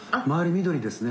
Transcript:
緑ですね